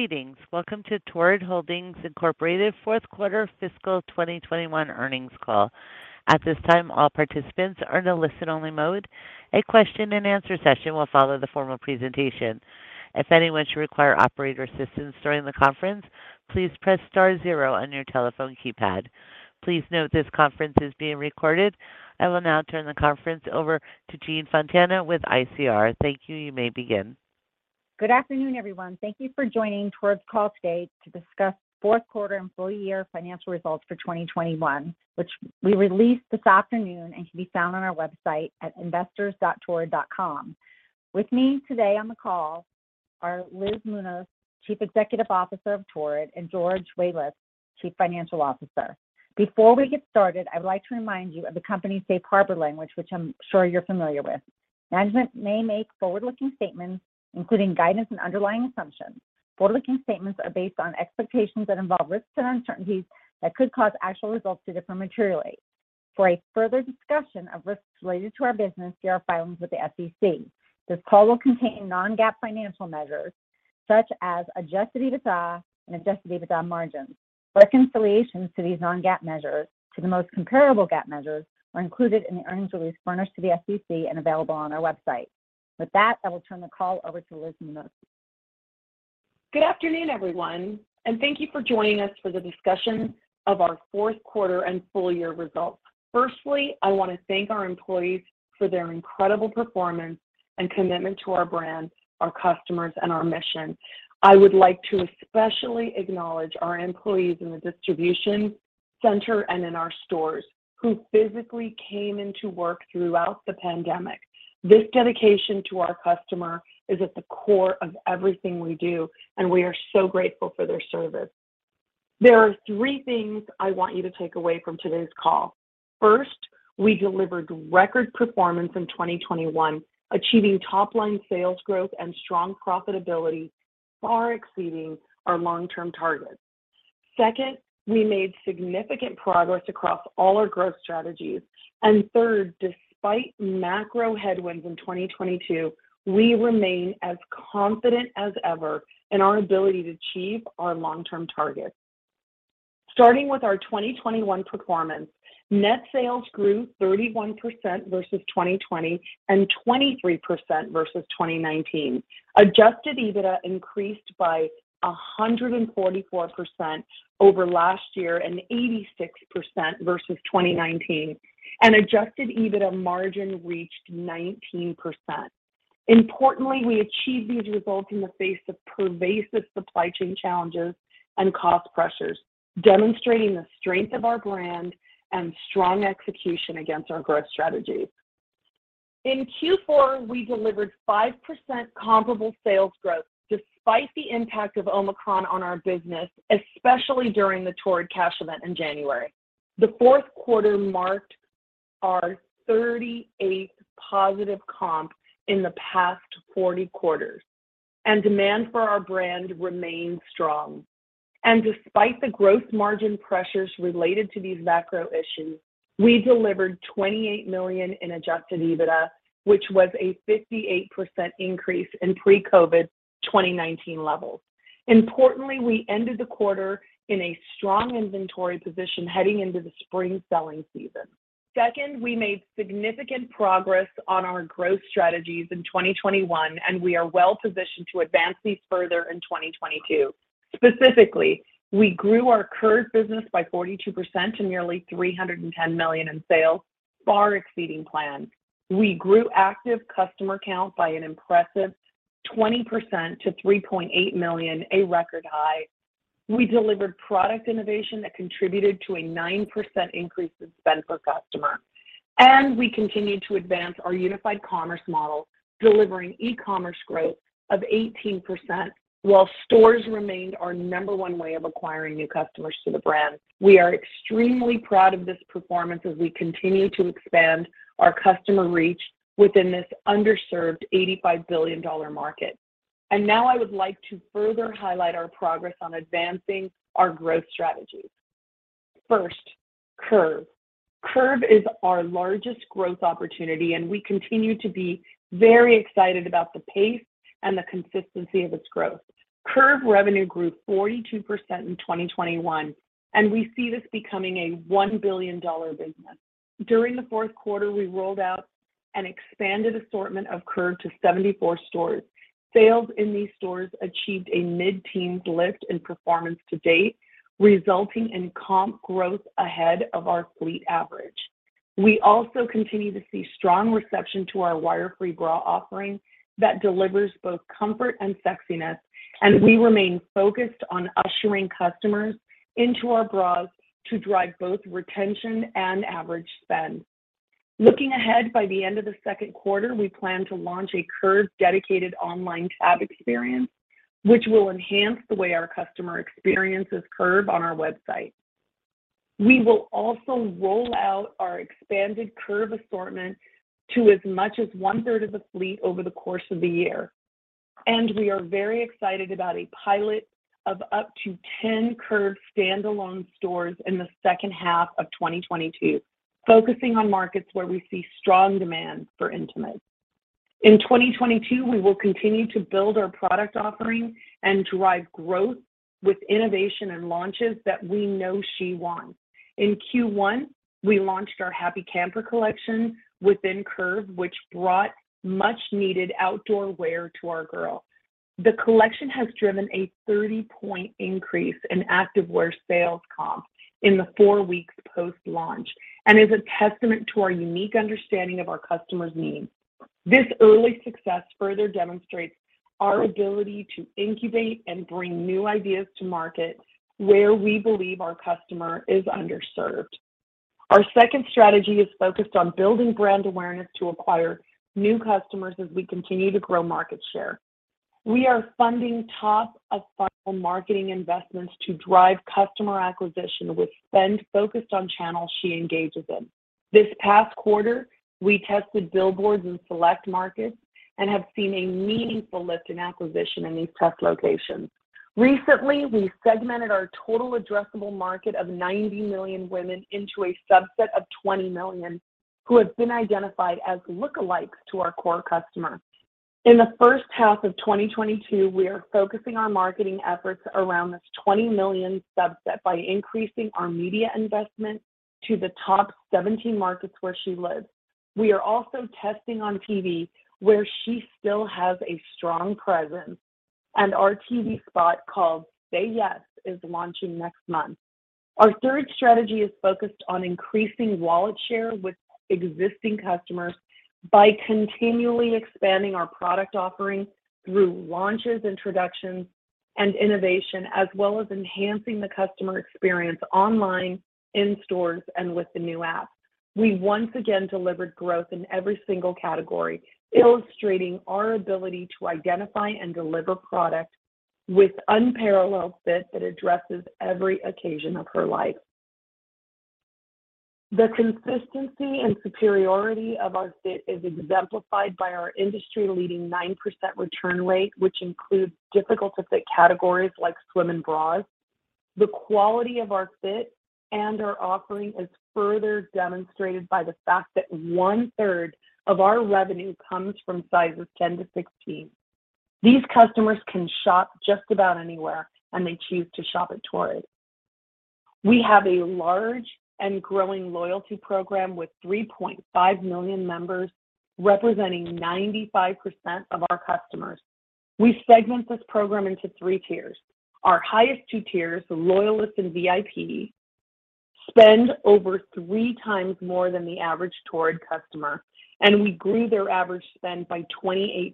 Greetings. Welcome to Torrid Holdings Incorporated fourth quarter fiscal 2021 earnings call. At this time, all participants are in a listen-only mode. A question-andanswer session will follow the formal presentation. If anyone should require operator assistance during the conference, please press star zero on your telephone keypad. Please note this conference is being recorded. I will now turn the conference over to Jean Fontana with ICR. Thank you. You may begin. Good afternoon, everyone. Thank you for joining Torrid's call today to discuss fourth quarter and full year financial results for 2021, which we released this afternoon and can be found on our website at investors.torrid.com. With me today on the call are Liz Muñoz, Chief Executive Officer of Torrid, and George Wehlitz, Chief Financial Officer. Before we get started, I would like to remind you of the company's safe harbor language, which I'm sure you're familiar with. Management may make forward-looking statements, including guidance and underlying assumptions. Forward-looking statements are based on expectations that involve risks and uncertainties that could cause actual results to differ materially. For a further discussion of risks related to our business, see our filings with the SEC. This call will contain non-GAAP financial measures such as adjusted EBITDA and adjusted EBITDA margins. Reconciliations to these non-GAAP measures to the most comparable GAAP measures are included in the earnings release furnished to the SEC and available on our website. With that, I will turn the call over to Elizabeth Muñoz. Good afternoon, everyone, and thank you for joining us for the discussion of our fourth quarter and full year results. Firstly, I want to thank our employees for their incredible performance and commitment to our brand, our customers, and our mission. I would like to especially acknowledge our employees in the distribution center and in our stores who physically came into work throughout the pandemic. This dedication to our customer is at the core of everything we do, and we are so grateful for their service. There are three things I want you to take away from today's call. First, we delivered record performance in 2021, achieving top-line sales growth and strong profitability, far exceeding our long-term targets. Second, we made significant progress across all our growth strategies. Third, despite macro headwinds in 2022, we remain as confident as ever in our ability to achieve our long-term targets. Starting with our 2021 performance, net sales grew 31% versus 2020 and 23% versus 2019. Adjusted EBITDA increased by 144% over last year and 86% versus 2019. Adjusted EBITDA margin reached 19%. Importantly, we achieved these results in the face of pervasive supply chain challenges and cost pressures, demonstrating the strength of our brand and strong execution against our growth strategies. In Q4, we delivered 5% comparable sales growth despite the impact of Omicron on our business, especially during the Torrid Cash event in January. The fourth quarter marked our 38th positive comp in the past 40 quarters, and demand for our brand remains strong. Despite the gross margin pressures related to these macro issues, we delivered $28 million in adjusted EBITDA, which was a 58% increase in pre-COVID 2019 levels. Importantly, we ended the quarter in a strong inventory position heading into the spring selling season. Second, we made significant progress on our growth strategies in 2021, and we are well-positioned to advance these further in 2022. Specifically, we grew our Curve business by 42% to nearly $310 million in sales, far exceeding plan. We grew active customer count by an impressive 20% to 3.8 million, a record high. We delivered product innovation that contributed to a 9% increase in spend per customer. We continued to advance our unified commerce model, delivering e-commerce growth of 18%, while stores remained our number one way of acquiring new customers to the brand. We are extremely proud of this performance as we continue to expand our customer reach within this underserved $85 billion market. Now I would like to further highlight our progress on advancing our growth strategies. First, Curve. Curve is our largest growth opportunity, and we continue to be very excited about the pace and the consistency of its growth. Curve revenue grew 42% in 2021, and we see this becoming a $1 billion business. During the fourth quarter, we rolled out an expanded assortment of Curve to 74 stores. Sales in these stores achieved a mid-teen lift in performance to date, resulting in comp growth ahead of our fleet average. We also continue to see strong reception to our wire-free bra offering that delivers both comfort and sexiness, and we remain focused on ushering customers into our bras to drive both retention and average spend. Looking ahead, by the end of the second quarter, we plan to launch a Curve dedicated online tab experience, which will enhance the way our customer experiences Curve on our website. We will also roll out our expanded Curve assortment to as much as 1/3 of the fleet over the course of the year. We are very excited about a pilot of up to 10 Curve standalone stores in the second half of 2022, focusing on markets where we see strong demand for intimates. In 2022, we will continue to build our product offering and drive growth with innovation and launches that we know she wants. In Q1, we launched our Happy Camper collection within Curve, which brought much-needed outdoor wear to our girl. The collection has driven a 30-point increase in activewear sales comps in the four weeks post-launch and is a testament to our unique understanding of our customers' needs. This early success further demonstrates our ability to incubate and bring new ideas to market where we believe our customer is underserved. Our second strategy is focused on building brand awareness to acquire new customers as we continue to grow market share. We are funding top-of-funnel marketing investments to drive customer acquisition with spend focused on channels she engages in. This past quarter, we tested billboards in select markets and have seen a meaningful lift in acquisition in these test locations. Recently, we segmented our total addressable market of 90 million women into a subset of 20 million who have been identified as lookalikes to our core customer. In the first half of 2022, we are focusing our marketing efforts around this 20 million subset by increasing our media investment to the top 17 markets where she lives. We are also testing on TV where she still has a strong presence, and our TV spot called Say Yes is launching next month. Our third strategy is focused on increasing wallet share with existing customers by continually expanding our product offering through launches, introductions, and innovation, as well as enhancing the customer experience online, in stores, and with the new app. We once again delivered growth in every single category, illustrating our ability to identify and deliver product with unparalleled fit that addresses every occasion of her life. The consistency and superiority of our fit is exemplified by our industry-leading 9% return rate, which includes difficult-to-fit categories like swim and bras. The quality of our fit and our offering is further demonstrated by the fact that 1/3 of our revenue comes from sizes 10-16. These customers can shop just about anywhere, and they choose to shop at Torrid. We have a large and growing loyalty program with 3.5 million members, representing 95% of our customers. We segment this program into three tiers. Our highest two tiers, Loyalists and VIP, spend over three times more than the average Torrid customer, and we grew their average spend by 28%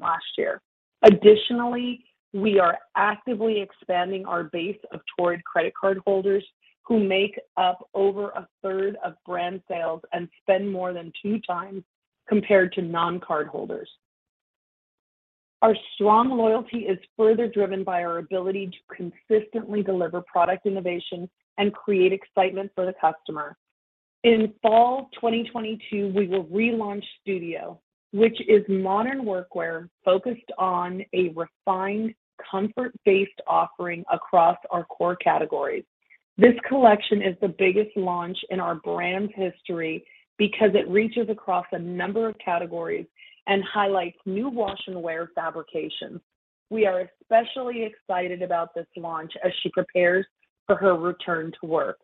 last year. Additionally, we are actively expanding our base of Torrid credit cardholders who make up over 1/3 of brand sales and spend more than two times compared to non-cardholders. Our strong loyalty is further driven by our ability to consistently deliver product innovation and create excitement for the customer. In fall 2022, we will relaunch Studio, which is modern workwear focused on a refined, comfort-based offering across our core categories. This collection is the biggest launch in our brand's history because it reaches across a number of categories and highlights new wash-and-wear fabrications. We are especially excited about this launch as she prepares for her return to work.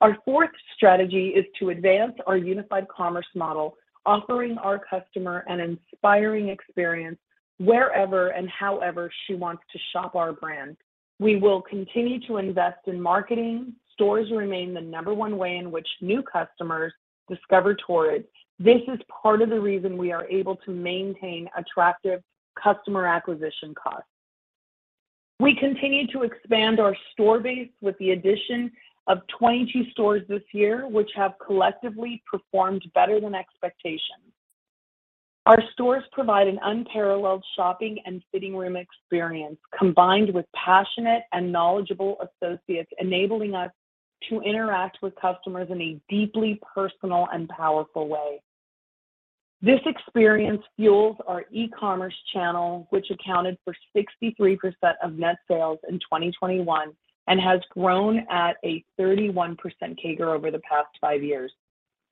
Our fourth strategy is to advance our unified commerce model, offering our customer an inspiring experience wherever and however she wants to shop our brand. We will continue to invest in marketing. Stores remain the number one way in which new customers discover Torrid. This is part of the reason we are able to maintain attractive customer acquisition costs. We continue to expand our store base with the addition of 22 stores this year, which have collectively performed better than expectations. Our stores provide an unparalleled shopping and fitting room experience combined with passionate and knowledgeable associates, enabling us to interact with customers in a deeply personal and powerful way. This experience fuels our e-commerce channel, which accounted for 63% of net sales in 2021 and has grown at a 31% CAGR over the past five years.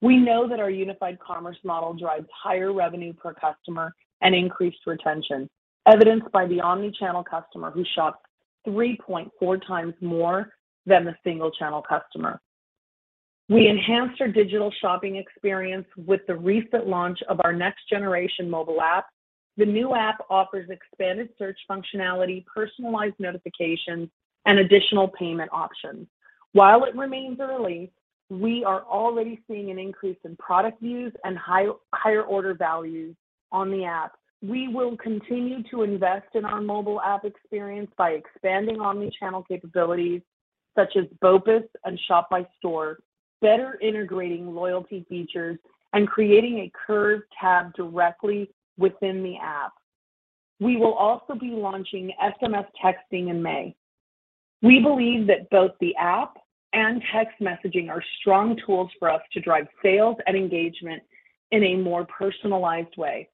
We know that our unified commerce model drives higher revenue per customer and increased retention, evidenced by the omnichannel customer who shops 3.4 times more than the single-channel customer. We enhanced our digital shopping experience with the recent launch of our next-generation mobile app. The new app offers expanded search functionality, personalized notifications, and additional payment options. While it remains early, we are already seeing an increase in product views and higher order values on the app. We will continue to invest in our mobile app experience by expanding omnichannel capabilities such as BOPUS and Shop by Store, better integrating loyalty features, and creating a Curve tab directly within the app. We will also be launching SMS texting in May. We believe that both the app and text messaging are strong tools for us to drive sales and engagement in a more personalized way.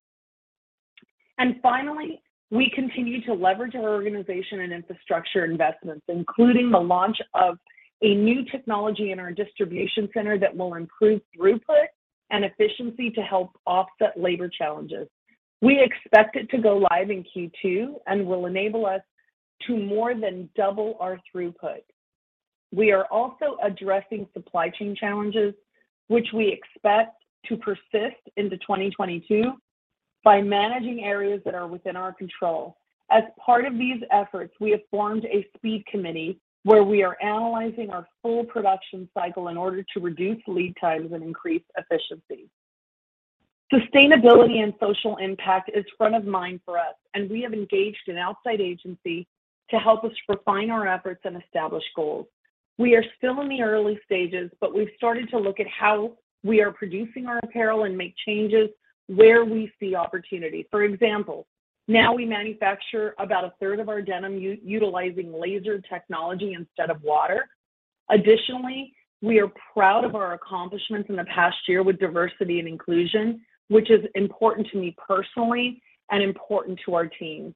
Finally, we continue to leverage our organization and infrastructure investments, including the launch of a new technology in our distribution center that will improve throughput and efficiency to help offset labor challenges. We expect it to go live in Q2 and will enable us to more than double our throughput. We are also addressing supply chain challenges, which we expect to persist into 2022, by managing areas that are within our control. As part of these efforts, we have formed a speed committee where we are analyzing our full production cycle in order to reduce lead times and increase efficiency. Sustainability and social impact is front of mind for us, and we have engaged an outside agency to help us refine our efforts and establish goals. We are still in the early stages, but we've started to look at how we are producing our apparel and make changes where we see opportunity. For example, now we manufacture about a third of our denim utilizing laser technology instead of water. Additionally, we are proud of our accomplishments in the past year with diversity and inclusion, which is important to me personally and important to our team.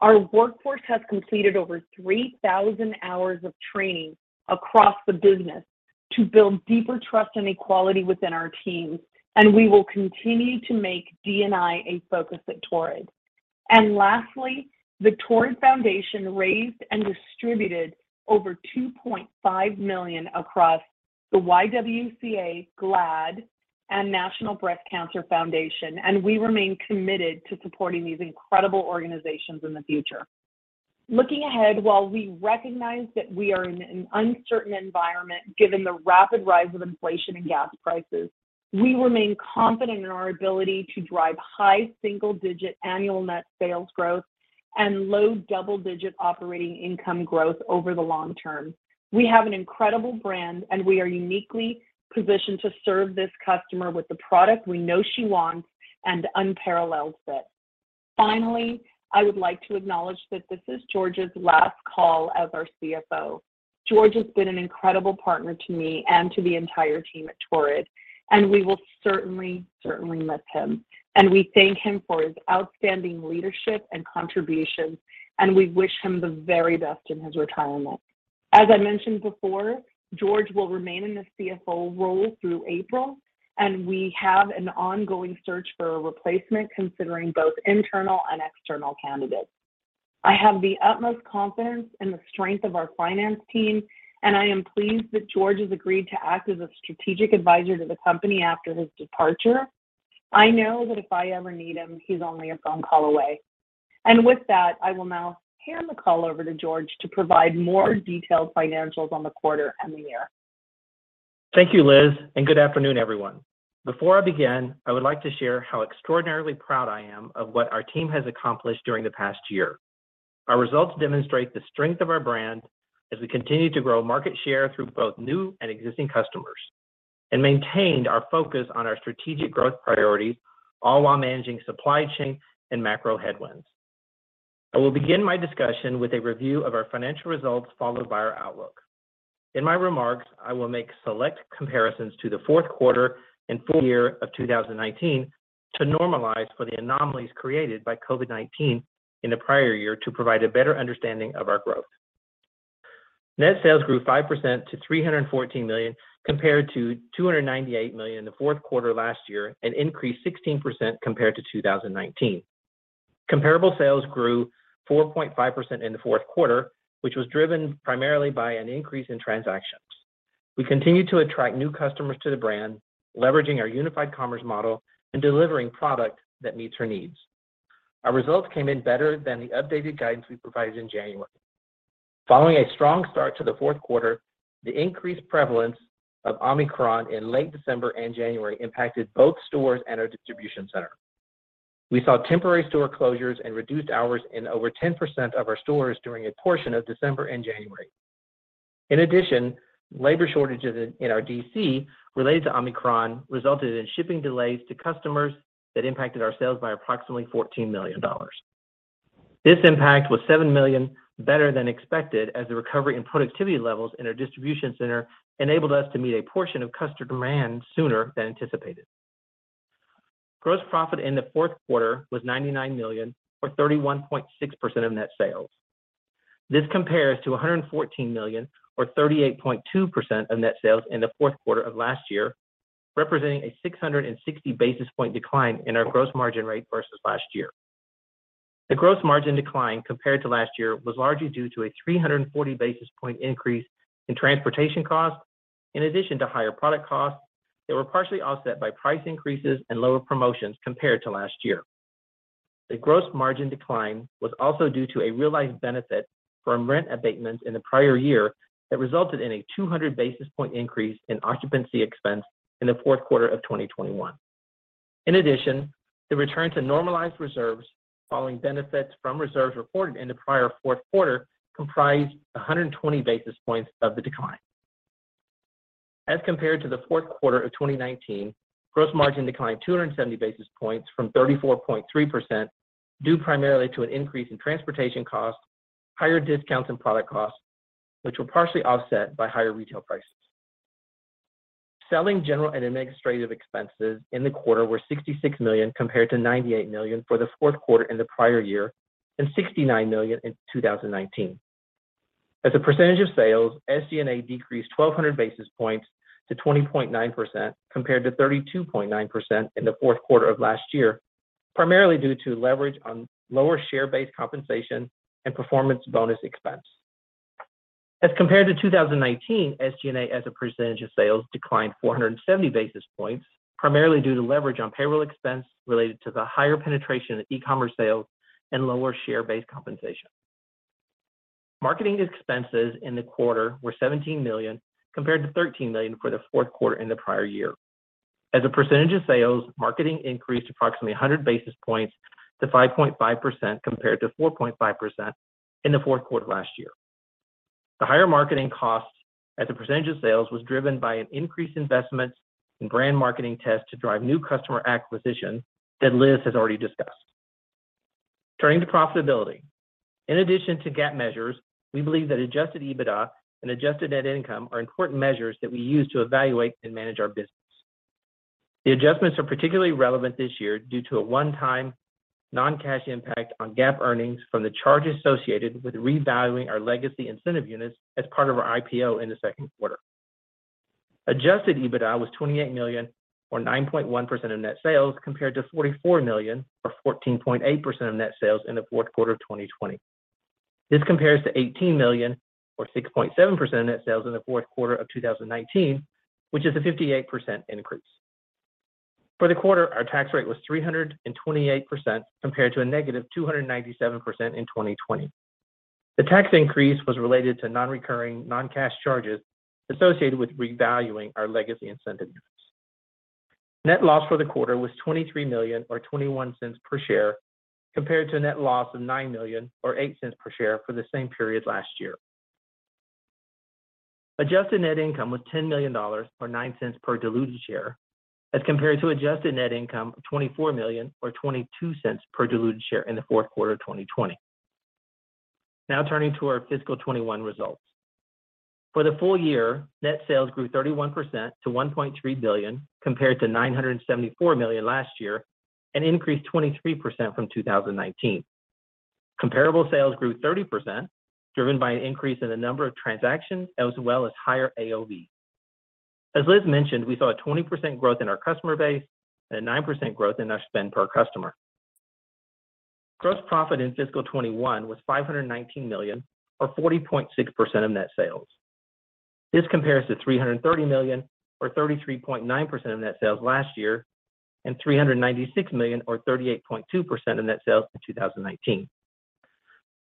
Our workforce has completed over 3,000 hours of training across the business to build deeper trust and equality within our teams, and we will continue to make D&I a focus at Torrid. Lastly, the Torrid Foundation raised and distributed over $2.5 million across the YWCA, GLAAD, and National Breast Cancer Foundation, and we remain committed to supporting these incredible organizations in the future. Looking ahead, while we recognize that we are in an uncertain environment, given the rapid rise of inflation and gas prices, we remain confident in our ability to drive high single-digit annual net sales growth and low double-digit operating income growth over the long term. We have an incredible brand, and we are uniquely positioned to serve this customer with the product we know she wants and unparalleled fit. Finally, I would like to acknowledge that this is George's last call as our CFO. George has been an incredible partner to me and to the entire team at Torrid, and we will certainly miss him, and we thank him for his outstanding leadership and contributions, and we wish him the very best in his retirement. As I mentioned before, George will remain in the CFO role through April, and we have an ongoing search for a replacement, considering both internal and external candidates. I have the utmost confidence in the strength of our finance team, and I am pleased that George has agreed to act as a strategic advisor to the company after his departure. I know that if I ever need him, he's only a phone call away. With that, I will now hand the call over to George to provide more detailed financials on the quarter and the year. Thank you, Liz, and good afternoon, everyone. Before I begin, I would like to share how extraordinarily proud I am of what our team has accomplished during the past year. Our results demonstrate the strength of our brand as we continue to grow market share through both new and existing customers and maintained our focus on our strategic growth priorities, all while managing supply chain and macro headwinds. I will begin my discussion with a review of our financial results, followed by our outlook. In my remarks, I will make select comparisons to the fourth quarter and full year of 2019 to normalize for the anomalies created by COVID-19 in the prior year to provide a better understanding of our growth. Net sales grew 5% to $314 million, compared to $298 million in the fourth quarter last year, and increased 16% compared to 2019. Comparable sales grew 4.5% in the fourth quarter, which was driven primarily by an increase in transactions. We continue to attract new customers to the brand, leveraging our unified commerce model and delivering products that meets her needs. Our results came in better than the updated guidance we provided in January. Following a strong start to the fourth quarter, the increased prevalence of Omicron in late December and January impacted both stores and our distribution center. We saw temporary store closures and reduced hours in over 10% of our stores during a portion of December and January. In addition, labor shortages in our DC related to Omicron resulted in shipping delays to customers that impacted our sales by approximately $14 million. This impact was $7 million better than expected as the recovery in productivity levels in our distribution center enabled us to meet a portion of customer demand sooner than anticipated. Gross profit in the fourth quarter was $99 million or 31.6% of net sales. This compares to $114 million or 38.2% of net sales in the fourth quarter of last year, representing a 660 basis point decline in our gross margin rate versus last year. The gross margin decline compared to last year was largely due to a 340 basis point increase in transportation costs. In addition to higher product costs, they were partially offset by price increases and lower promotions compared to last year. The gross margin decline was also due to a realized benefit from rent abatements in the prior year that resulted in a 200 basis point increase in occupancy expense in the fourth quarter of 2021. In addition, the return to normalized reserves following benefits from reserves reported in the prior fourth quarter comprised 120 basis points of the decline. As compared to the fourth quarter of 2019, gross margin declined 270 basis points from 34.3% due primarily to an increase in transportation costs, higher discounts, and product costs, which were partially offset by higher retail prices. Selling general and administrative expenses in the quarter were $66 million, compared to $98 million for the fourth quarter in the prior year, and $69 million in 2019. As a percentage of sales, SG&A decreased 1,200 basis points to 20.9%, compared to 32.9% in the fourth quarter of last year, primarily due to leverage on lower share-based compensation and performance bonus expense. As compared to 2019, SG&A as a percentage of sales declined 470 basis points, primarily due to leverage on payroll expense related to the higher penetration of e-commerce sales and lower share-based compensation. Marketing expenses in the quarter were $17 million, compared to $13 million for the fourth quarter in the prior year. As a percentage of sales, marketing increased approximately 100 basis points to 5.5%, compared to 4.5% in the fourth quarter last year. The higher marketing costs as a percentage of sales was driven by an increased investment in brand marketing tests to drive new customer acquisition that Liz has already discussed. Turning to profitability. In addition to GAAP measures, we believe that adjusted EBITDA and adjusted net income are important measures that we use to evaluate and manage our business. The adjustments are particularly relevant this year due to a one-time non-cash impact on GAAP earnings from the charges associated with revaluing our legacy incentive units as part of our IPO in the second quarter. Adjusted EBITDA was $28 million or 9.1% of net sales, compared to $44 million or 14.8% of net sales in the fourth quarter of 2020. This compares to $18 million or 6.7% of net sales in the fourth quarter of 2019, which is a 58% increase. For the quarter, our tax rate was 328%, compared to a -297% in 2020. The tax increase was related to non-recurring, non-cash charges associated with revaluing our legacy incentive units. Net loss for the quarter was $23 million or $0.21 per share, compared to a net loss of $9 million or $0.08 per share for the same period last year. Adjusted net income was $10 million or $0.09 per diluted share as compared to adjusted net income of $24 million or $0.22 per diluted share in the fourth quarter of 2020. Now turning to our fiscal 2021 results. For the full year, net sales grew 31% to $1.3 billion, compared to $974 million last year, and increased 23% from 2019. Comparable sales grew 30%, driven by an increase in the number of transactions as well as higher AOV. As Liz mentioned, we saw a 20% growth in our customer base and a 9% growth in our spend per customer. Gross profit in fiscal 2021 was $519 million or 40.6% of net sales. This compares to $330 million or 33.9% of net sales last year, and $396 million or 38.2% of net sales in 2019.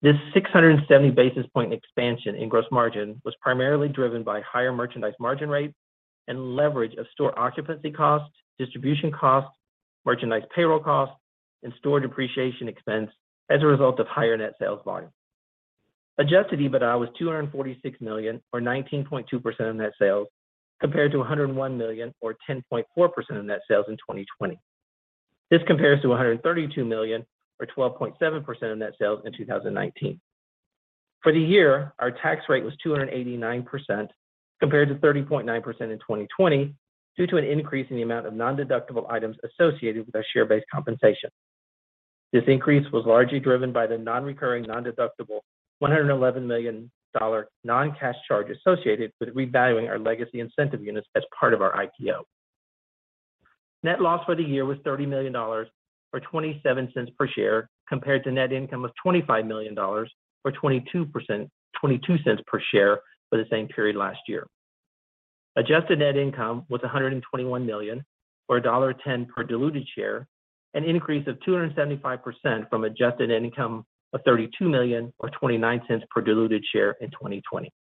This 670 basis point expansion in gross margin was primarily driven by higher merchandise margin rate and leverage of store occupancy costs, distribution costs, merchandise payroll costs, and store depreciation expense as a result of higher net sales volume. Adjusted EBITDA was $246 million or 19.2% of net sales, compared to $101 million or 10.4% of net sales in 2020. This compares to $132 million or 12.7% of net sales in 2019. For the year, our tax rate was 289%, compared to 30.9% in 2020 due to an increase in the amount of non-deductible items associated with our share-based compensation. This increase was largely driven by the non-recurring, non-deductible $111 million non-cash charge associated with revaluing our legacy incentive units as part of our IPO. Net loss for the year was $30 million or $0.27 per share, compared to net income of $25 million or $0.22 per share for the same period last year. Adjusted net income was $121 million or $1.10 per diluted share, an increase of 275% from adjusted net income of $32 million or $0.29 per diluted share in 2020.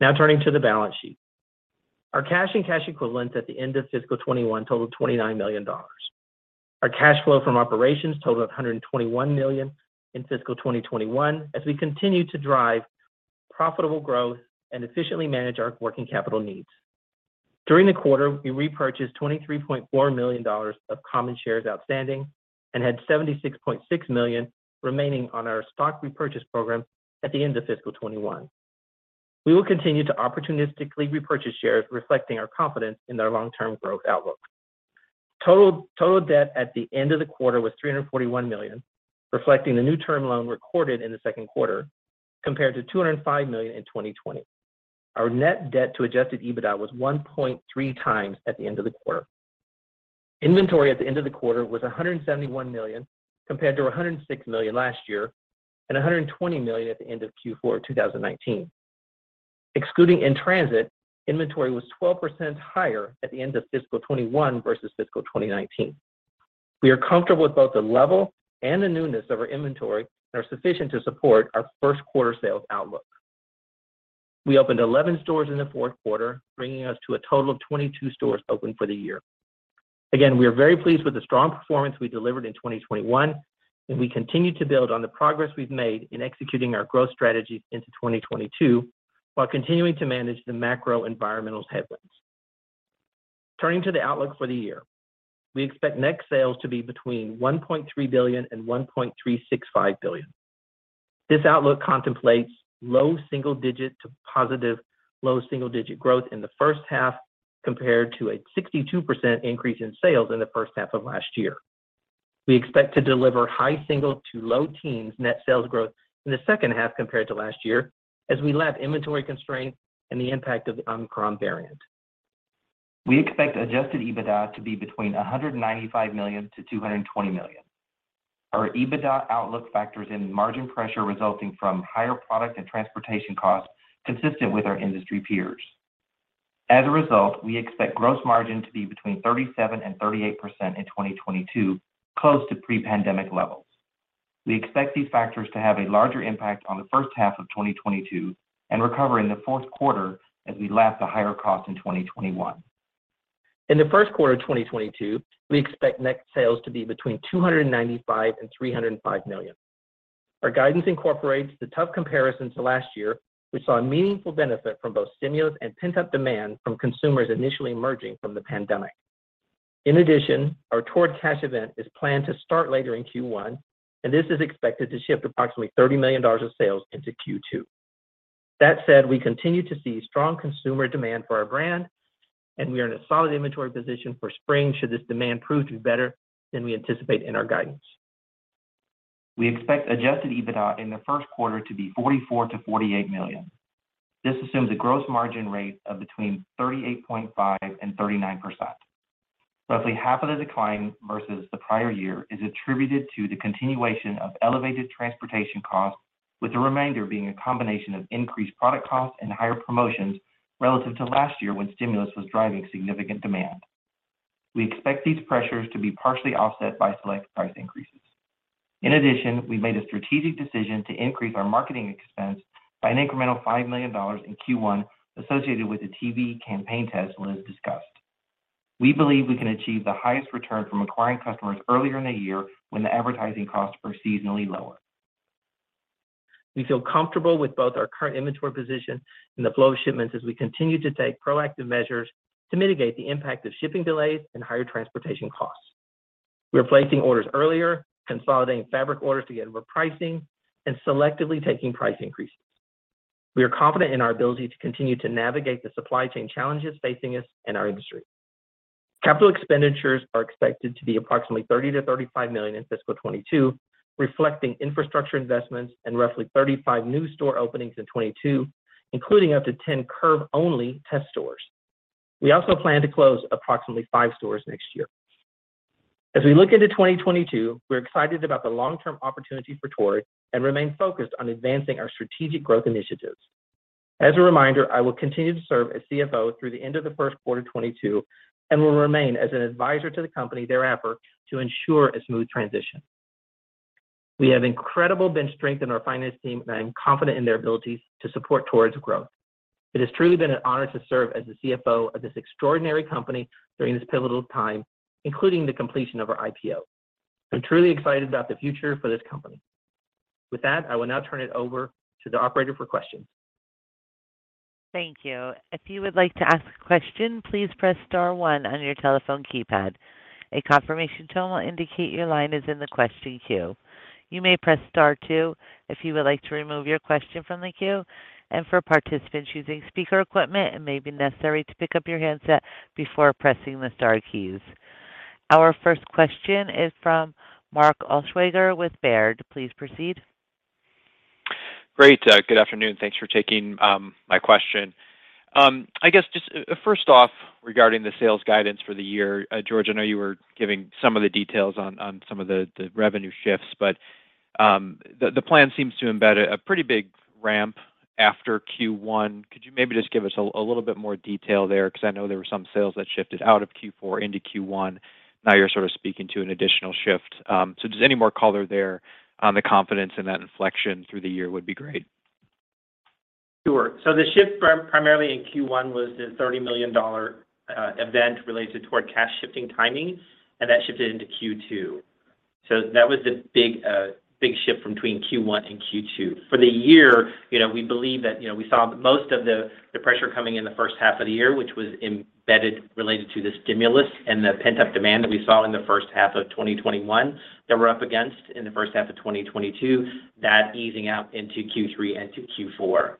Now turning to the balance sheet. Our cash and cash equivalents at the end of fiscal 2021 totaled $29 million. Our cash flow from operations totaled $121 million in fiscal 2021 as we continue to drive profitable growth and efficiently manage our working capital needs. During the quarter, we repurchased $23.4 million of common shares outstanding and had $76.6 million remaining on our stock repurchase program at the end of fiscal 2021. We will continue to opportunistically repurchase shares, reflecting our confidence in our long-term growth outlook. Total debt at the end of the quarter was $341 million, reflecting the new term loan recorded in the second quarter, compared to $205 million in 2020. Our net debt to adjusted EBITDA was 1.3x at the end of the quarter. Inventory at the end of the quarter was $171 million, compared to $106 million last year and $120 million at the end of Q4 2019. Excluding in-transit, inventory was 12% higher at the end of fiscal 2021 versus fiscal 2019. We are comfortable with both the level and the newness of our inventory and are sufficient to support our first quarter sales outlook. We opened 11 stores in the fourth quarter, bringing us to a total of 22 stores open for the year. We are very pleased with the strong performance we delivered in 2021, and we continue to build on the progress we've made in executing our growth strategy into 2022, while continuing to manage the macro environmental headwinds. Turning to the outlook for the year. We expect net sales to be between $1.3 billion and $1.365 billion. This outlook contemplates low single-digit to positive low single-digit growth in the first half compared to a 62% increase in sales in the first half of last year. We expect to deliver high single-digit to low teens net sales growth in the second half compared to last year as we lap inventory constraints and the impact of the Omicron variant. We expect adjusted EBITDA to be between $195 million and $220 million. Our EBITDA outlook factors in margin pressure resulting from higher product and transportation costs consistent with our industry peers. As a result, we expect gross margin to be between 37% and 38% in 2022, close to pre-pandemic levels. We expect these factors to have a larger impact on the first half of 2022 and recover in the fourth quarter as we lap the higher cost in 2021. In the first quarter of 2022, we expect net sales to be between $295 million and $305 million. Our guidance incorporates the tough comparison to last year, which saw a meaningful benefit from both stimulus and pent-up demand from consumers initially emerging from the pandemic. In addition, our Torrid Cash event is planned to start later in Q1, and this is expected to shift approximately $30 million of sales into Q2. That said, we continue to see strong consumer demand for our brand, and we are in a solid inventory position for spring should this demand prove to be better than we anticipate in our guidance. We expect adjusted EBITDA in the first quarter to be $44 million-$48 million. This assumes a gross margin rate of between 38.5% and 39%. Roughly half of the decline versus the prior year is attributed to the continuation of elevated transportation costs, with the remainder being a combination of increased product costs and higher promotions relative to last year when stimulus was driving significant demand. We expect these pressures to be partially offset by select price increases. In addition, we made a strategic decision to increase our marketing expense by an incremental $5 million in Q1 associated with the TV campaign test Liz discussed. We believe we can achieve the highest return from acquiring customers earlier in the year when the advertising costs are seasonally lower. We feel comfortable with both our current inventory position and the flow of shipments as we continue to take proactive measures to mitigate the impact of shipping delays and higher transportation costs. We're placing orders earlier, consolidating fabric orders to get better pricing, and selectively taking price increases. We are confident in our ability to continue to navigate the supply chain challenges facing us and our industry. Capital expenditures are expected to be approximately $30 million-$35 million in fiscal 2022, reflecting infrastructure investments and roughly 35 new store openings in 2022, including up to 10 Curve-only test stores. We also plan to close approximately five stores next year. As we look into 2022, we're excited about the long-term opportunity for Torrid and remain focused on advancing our strategic growth initiatives. As a reminder, I will continue to serve as CFO through the end of the first quarter 2022, and will remain as an advisor to the company thereafter to ensure a smooth transition. We have incredible bench strength in our finance team, and I am confident in their abilities to support Torrid's growth. It has truly been an honor to serve as the CFO of this extraordinary company during this pivotal time, including the completion of our IPO. I'm truly excited about the future for this company. With that, I will now turn it over to the operator for questions. Thank you. If you would like to ask a question, please press star one on your telephone keypad. A confirmation tone will indicate your line is in the question queue. You may press star two if you would like to remove your question from the queue. For participants using speaker equipment, it may be necessary to pick up your handset before pressing the star keys. Our first question is from Mark Altschwager with Baird. Please proceed. Great. Good afternoon. Thanks for taking my question. I guess just first off, regarding the sales guidance for the year, George, I know you were giving some of the details on some of the revenue shifts, but the plan seems to embed a pretty big ramp after Q1. Could you maybe just give us a little bit more detail there? 'Cause I know there were some sales that shifted out of Q4 into Q1. Now you're sort of speaking to an additional shift. Just any more color there on the confidence in that inflection through the year would be great. Sure. The shift primarily in Q1 was the $30 million event related to Torrid Cash shifting timing, and that shifted into Q2. That was the big shift between Q1 and Q2. For the year, you know, we believe that, you know, we saw most of the pressure coming in the first half of the year, which was embedded related to the stimulus and the pent-up demand that we saw in the first half of 2021 that we're up against in the first half of 2022, that easing out into Q3 and Q4.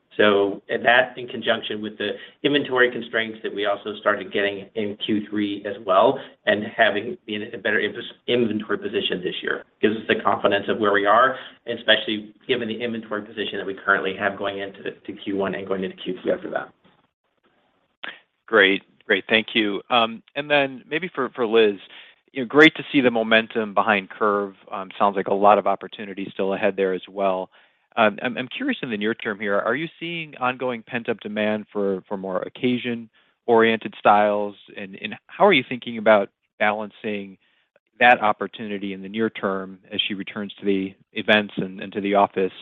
That, in conjunction with the inventory constraints that we also started getting in Q3 as well, and having been in a better inventory position this year, gives us the confidence of where we are, especially given the inventory position that we currently have going into Q1 and going into Q2 after that. Great. Thank you. Maybe for Liz, you know, great to see the momentum behind Curve. Sounds like a lot of opportunity still ahead there as well. I'm curious in the near term here, are you seeing ongoing pent-up demand for more occasion-oriented styles, and how are you thinking about balancing that opportunity in the near term as she returns to the events and to the office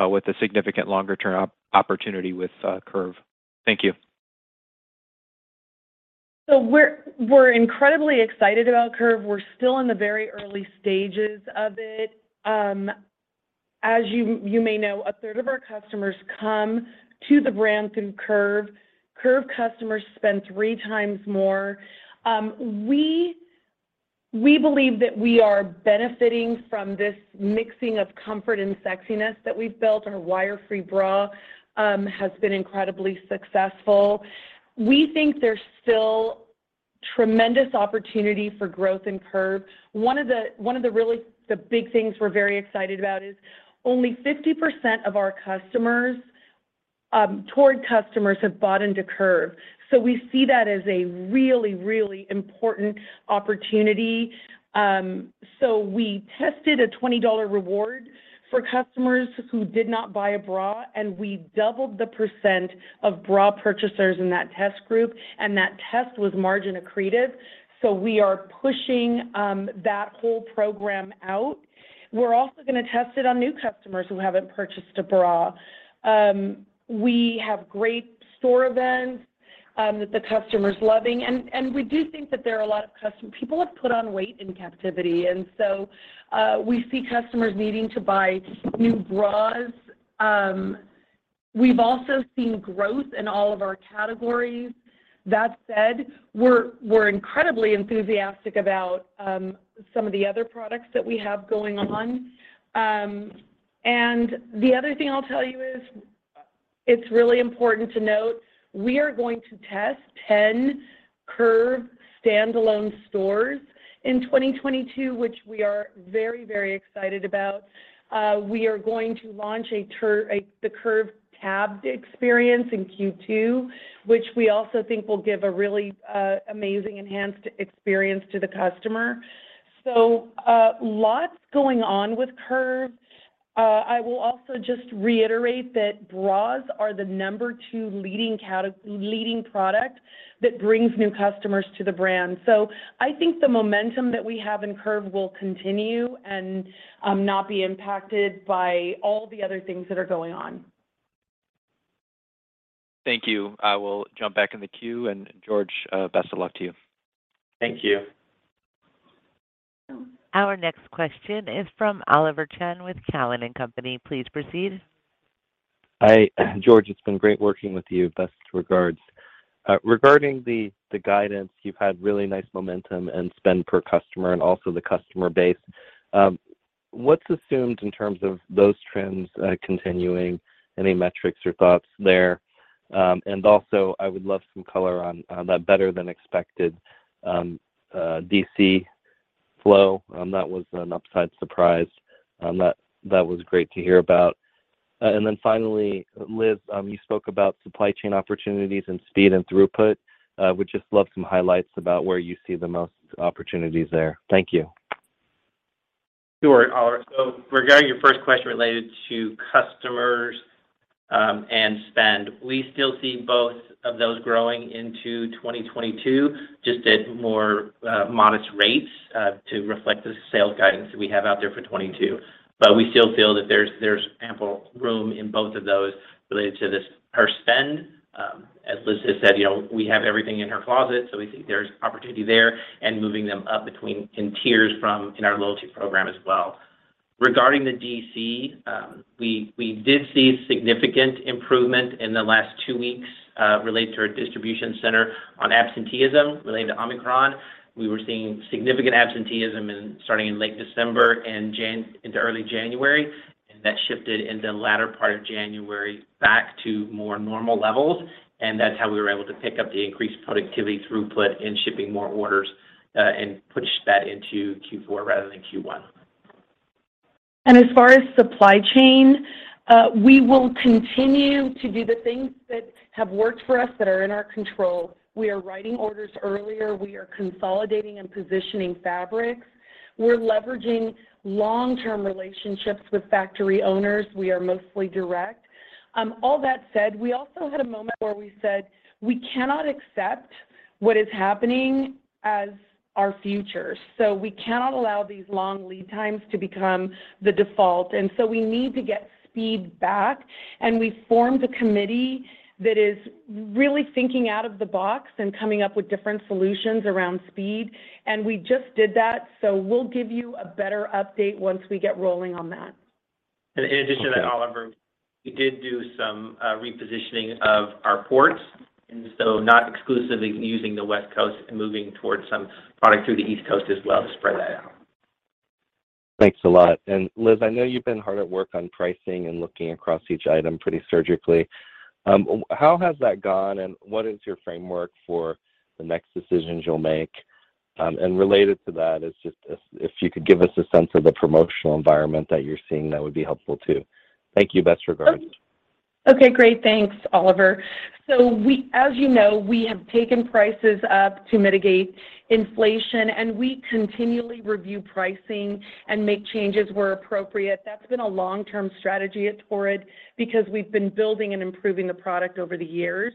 with a significant longer-term opportunity with Curve? Thank you. We're incredibly excited about Curve. We're still in the very early stages of it. As you may know, a third of our customers come to the brand through Curve. Curve customers spend three times more. We believe that we are benefiting from this mixing of comfort and sexiness that we've built. Our wire-free bra has been incredibly successful. We think there's still tremendous opportunity for growth in Curve. One of the really big things we're very excited about is only 50% of our customers, Torrid customers, have bought into Curve. We see that as a really important opportunity. We tested a $20 reward for customers who did not buy a bra, and we doubled the percent of bra purchasers in that test group. That test was margin accretive, so we are pushing that whole program out. We're also gonna test it on new customers who haven't purchased a bra. We have great store events that the customers are loving, and we do think that there are a lot of people who have put on weight in captivity, and so we see customers needing to buy new bras. We've also seen growth in all of our categories. That said, we're incredibly enthusiastic about some of the other products that we have going on, and the other thing I'll tell you is it's really important to note we are going to test 10 Curve standalone stores in 2022, which we are very, very excited about. We are going to launch the Curve tab experience in Q2, which we also think will give a really amazing enhanced experience to the customer. Lots going on with Curve. I will also just reiterate that bras are the number two leading product that brings new customers to the brand. I think the momentum that we have in Curve will continue and not be impacted by all the other things that are going on. Thank you. I will jump back in the queue, and George, best of luck to you. Thank you. Our next question is from Oliver Chen with Cowen and Company. Please proceed. George, it's been great working with you. Best regards. Regarding the guidance, you've had really nice momentum and spend per customer and also the customer base. What's assumed in terms of those trends continuing? Any metrics or thoughts there? I would love some color on that better than expected DC flow. That was an upside surprise. That was great to hear about. Finally, Liz, you spoke about supply chain opportunities and speed and throughput. Would just love some highlights about where you see the most opportunities there. Thank you. Sure, Oliver. Regarding your first question related to customers and spend, we still see both of those growing into 2022, just at more modest rates to reflect the sales guidance that we have out there for 2022. We still feel that there's ample room in both of those related to this per spend. As Liz has said, you know, we have everything in her closet, so we think there's opportunity there and moving them up between in tiers from in our loyalty program as well. Regarding the DC, we did see significant improvement in the last two weeks related to our distribution center on absenteeism related to Omicron. We were seeing significant absenteeism starting in late December and into early January, and that shifted in the latter part of January back to more normal levels, and that's how we were able to pick up the increased productivity throughput and shipping more orders, and push that into Q4 rather than Q1. As far as supply chain, we will continue to do the things that have worked for us that are in our control. We are writing orders earlier. We are consolidating and positioning fabrics. We're leveraging long-term relationships with factory owners. We are mostly direct. All that said, we also had a moment where we said we cannot accept what is happening as our future. We cannot allow these long lead times to become the default. We need to get speed back, and we formed a committee that is really thinking out of the box and coming up with different solutions around speed, and we just did that, so we'll give you a better update once we get rolling on that. In addition to that, Oliver, we did do some repositioning of our ports, so not exclusively using the West Coast and moving towards some product through the East Coast as well to spread that out. Thanks a lot. Liz, I know you've been hard at work on pricing and looking across each item pretty surgically. How has that gone, and what is your framework for the next decisions you'll make? Related to that is just if you could give us a sense of the promotional environment that you're seeing, that would be helpful too. Thank you. Best regards. Okay, great. Thanks, Oliver. As you know, we have taken prices up to mitigate inflation, and we continually review pricing and make changes where appropriate. That's been a long-term strategy at Torrid because we've been building and improving the product over the years.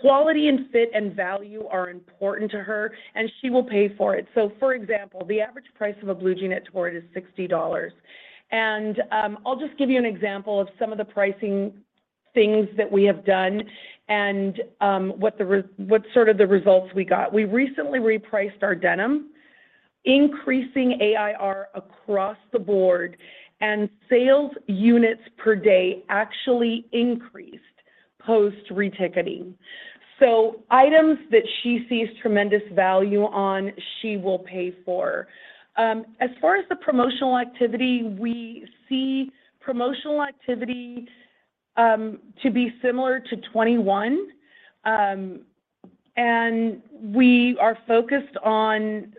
Quality and fit and value are important to her, and she will pay for it. For example, the average price of a blue jean at Torrid is $60. I'll just give you an example of some of the pricing things that we have done and what sort of the results we got. We recently repriced our denim, increasing AIR across the board and sales units per day actually increased post-reticketing. Items that she sees tremendous value on, she will pay for. As far as the promotional activity, we see promotional activity to be similar to 2021. We are focused on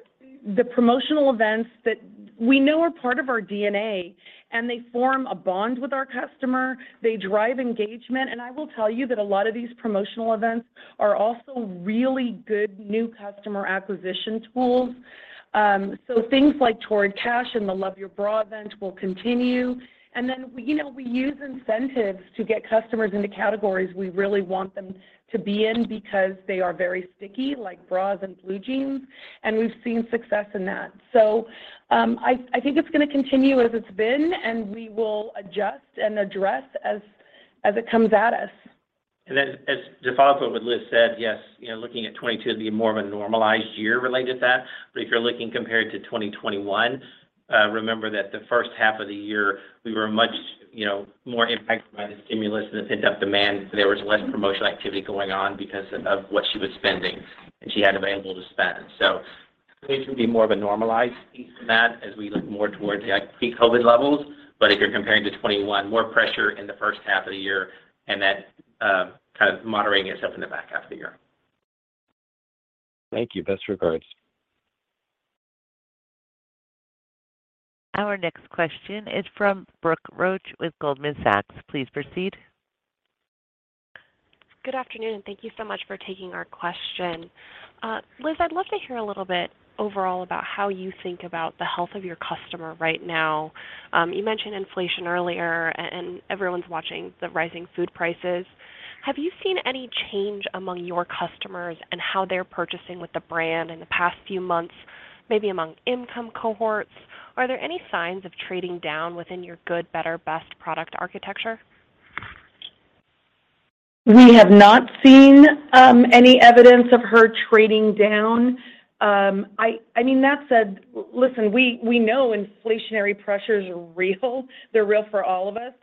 the promotional events that we know are part of our DNA, and they form a bond with our customer, they drive engagement. I will tell you that a lot of these promotional events are also really good new customer acquisition tools. Things like Torrid Cash and the Love Your Bra event will continue. Then we, you know, we use incentives to get customers into categories we really want them to be in because they are very sticky, like bras and blue jeans, and we've seen success in that. I think it's gonna continue as it's been, and we will adjust and address as it comes at us. As to follow up what Liz said, yes, you know, looking at 2022 to be more of a normalized year related to that. If you're looking compared to 2021, remember that the first half of the year we were much, you know, more impacted by the stimulus and the pent-up demand. There was less promotional activity going on because of what she was spending and she had available to spend. It would be more of a normalized piece of that as we look more towards the, like, pre-COVID levels. If you're comparing to 2021, more pressure in the first half of the year and then kind of moderating itself in the back half of the year. Thank you. Best regards. Our next question is from Brooke Roach with Goldman Sachs. Please proceed. Good afternoon, and thank you so much for taking our question. Liz, I'd love to hear a little bit overall about how you think about the health of your customer right now. You mentioned inflation earlier, and everyone's watching the rising food prices. Have you seen any change among your customers and how they're purchasing with the brand in the past few months, maybe among income cohorts? Are there any signs of trading down within your good, better, best product architecture? We have not seen any evidence of her trading down. I mean, that said, listen, we know inflationary pressures are real. They're real for all of us.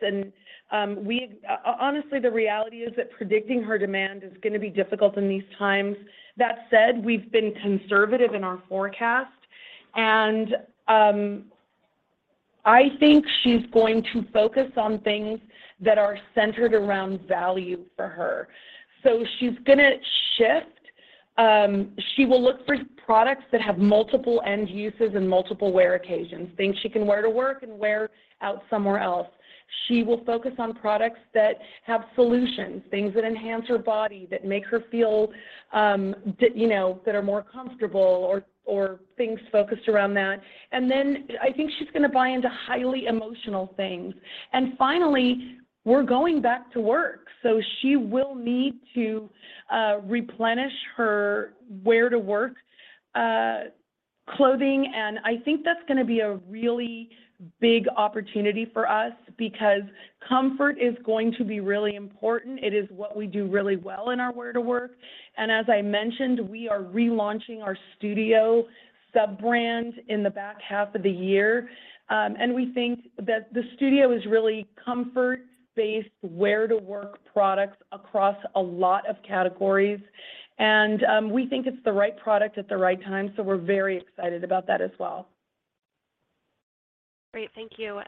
Honestly, the reality is that predicting her demand is gonna be difficult in these times. That said, we've been conservative in our forecast, and I think she's going to focus on things that are centered around value for her. She's gonna shift. She will look for products that have multiple end uses and multiple wear occasions, things she can wear to work and wear out somewhere else. She will focus on products that have solutions, things that enhance her body, that make her feel that you know that are more comfortable, or things focused around that. I think she's gonna buy into highly emotional things. Finally, we're going back to work, so she will need to replenish her wear-to-work clothing. I think that's gonna be a really big opportunity for us because comfort is going to be really important. It is what we do really well in our wear-to-work. As I mentioned, we are relaunching our Studio sub-brand in the back half of the year. We think that the Studio is really comfort-based wear-to-work products across a lot of categories. We think it's the right product at the right time, so we're very excited about that as well. Great. Thank you.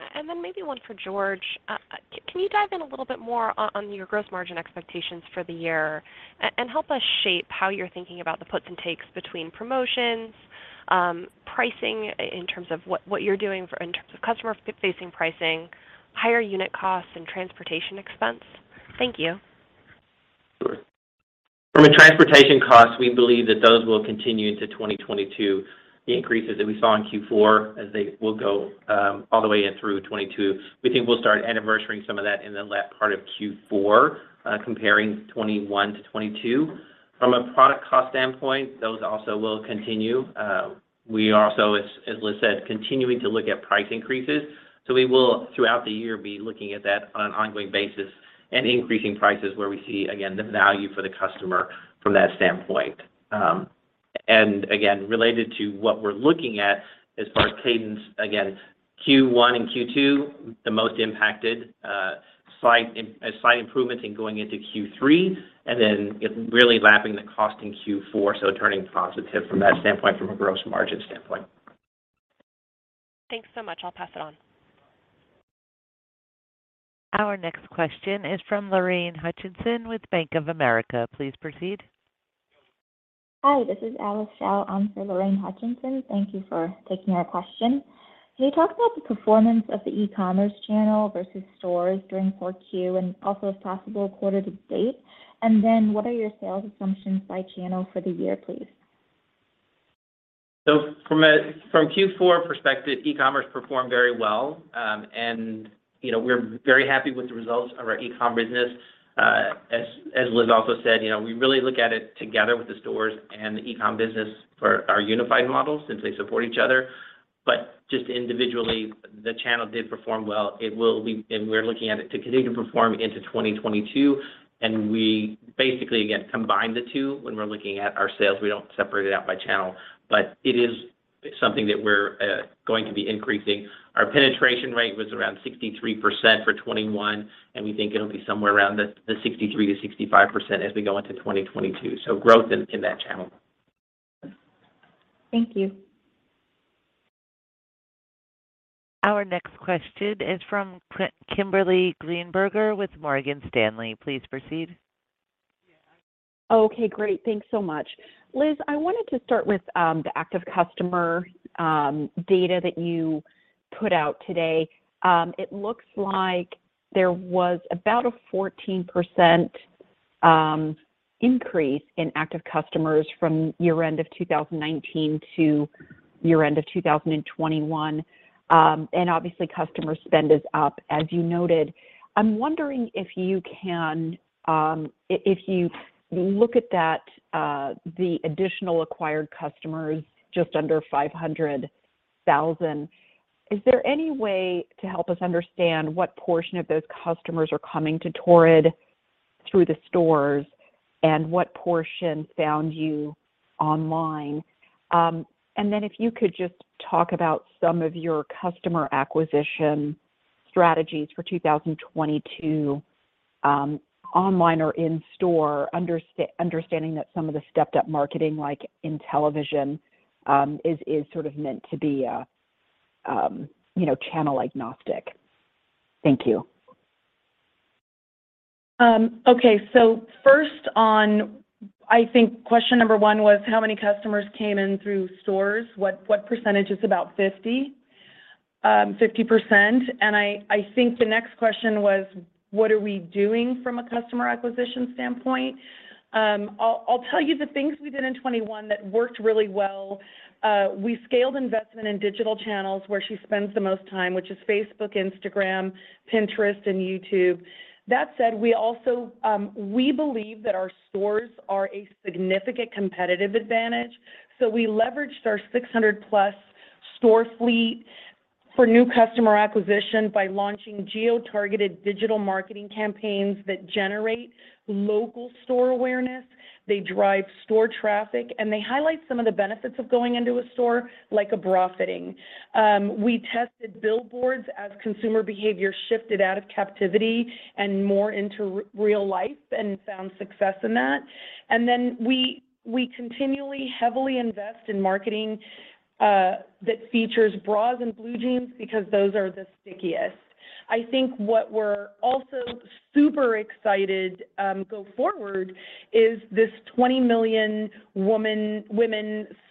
Maybe one for George. Can you dive in a little bit more on your gross margin expectations for the year and help us shape how you're thinking about the puts and takes between promotions, pricing in terms of what you're doing in terms of customer-facing pricing, higher unit costs, and transportation expense? Thank you. Sure. From a transportation cost, we believe that those will continue into 2022. The increases that we saw in Q4 as they will go all the way in through 2022. We think we'll start anniversarying some of that in the latter part of Q4, comparing 2021 to 2022. From a product cost standpoint, those also will continue. We also, as Liz said, continuing to look at price increases, so we will throughout the year be looking at that on an ongoing basis and increasing prices where we see, again, the value for the customer from that standpoint. Again, related to what we're looking at as far as cadence, again, Q1 and Q2, the most impacted, slight improvements in going into Q3, and then it really lapping the cost in Q4, so turning positive from that standpoint, from a gross margin standpoint. Thanks so much. I'll pass it on. Our next question is from Lorraine Hutchinson with Bank of America. Please proceed. Hi, this is Alice Xiao. I'm for Lorraine Hutchinson. Thank you for taking our question. Can you talk about the performance of the e-commerce channel versus stores during 4Q, and also if possible quarter to date? What are your sales assumptions by channel for the year, please? From Q4 perspective, e-commerce performed very well. You know, we're very happy with the results of our e-com business. As Liz also said, you know, we really look at it together with the stores and the e-com business for our unified model since they support each other. Just individually, the channel did perform well. We're looking at it to continue to perform into 2022, and we basically, again, combine the two when we're looking at our sales. We don't separate it out by channel. It is something that we're going to be increasing. Our penetration rate was around 63% for 2021, and we think it'll be somewhere around the 63%-65% as we go into 2022. Growth in that channel. Thank you. Our next question is from Kimberly Greenberger with Morgan Stanley. Please proceed. Okay. Great. Thanks so much. Liz, I wanted to start with the active customer data that you put out today. It looks like there was about a 14% increase in active customers from year-end of 2019 to year-end of 2021. Obviously, customer spend is up as you noted. I'm wondering if you look at that, the additional acquired customers just under 500,000, is there any way to help us understand what portion of those customers are coming to Torrid through the stores and what portion found you online? If you could just talk about some of your customer acquisition strategies for 2022, online or in store, understanding that some of the stepped-up marketing like in television is sort of meant to be a you know channel agnostic. Thank you. Okay. First, I think question number one was how many customers came in through stores? What percentage is about 50%. I think the next question was, what are we doing from a customer acquisition standpoint? I'll tell you the things we did in 2021 that worked really well. We scaled investment in digital channels where she spends the most time, which is Facebook, Instagram, Pinterest, and YouTube. That said, we also believe that our stores are a significant competitive advantage. We leveraged our 600+ store fleet for new customer acquisition by launching geo-targeted digital marketing campaigns that generate local store awareness. They drive store traffic, and they highlight some of the benefits of going into a store, like a bra fitting. We tested billboards as consumer behavior shifted out of captivity and more into real life and found success in that. We continually heavily invest in marketing that features bras and blue jeans because those are the stickiest. I think what we're also super excited going forward is this 20 million women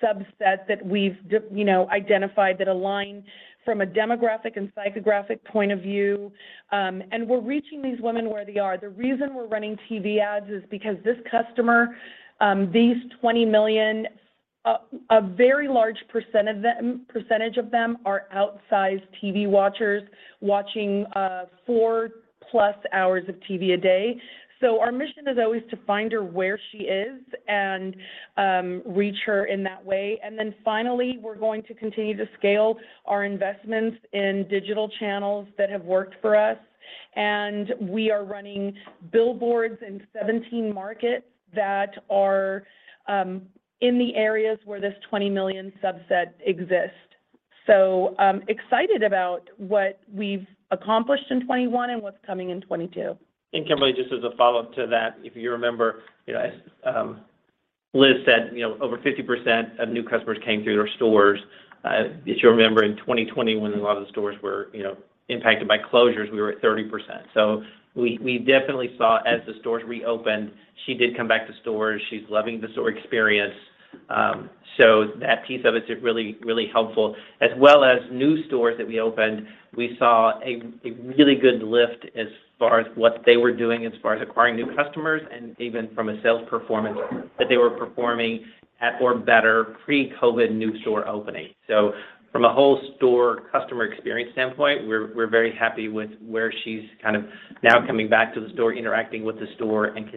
subset that we've you know, identified that align from a demographic and psychographic point of view. We're reaching these women where they are. The reason we're running TV ads is because this customer, these 20 million, a very large percentage of them are outsized TV watchers watching 4+ hours of TV a day. Our mission is always to find her where she is and reach her in that way. Finally, we're going to continue to scale our investments in digital channels that have worked for us. We are running billboards in 17 markets that are in the areas where this 20 million subset exists. Excited about what we've accomplished in 2021 and what's coming in 2022. Kimberly, just as a follow-up to that, if you remember, you know, as Liz said, you know, over 50% of new customers came through their stores. If you remember in 2020 when a lot of the stores were, you know, impacted by closures, we were at 30%. We definitely saw as the stores reopened, she did come back to stores. She's loving the store experience. So that piece of it is really, really helpful. As well as new stores that we opened, we saw a really good lift as far as what they were doing as far as acquiring new customers and even from a sales performance that they were performing at or better pre-COVID new store opening. From an in-store customer experience standpoint, we're very happy with where she's kind of now coming back to the store, interacting with the store, and